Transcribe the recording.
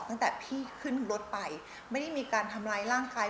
ตั้งแต่พี่ขึ้นรถไปไม่ได้มีการทำร้ายร่างกาย